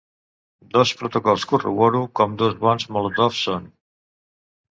Dos protocols corroboro com dos bons Molotov som.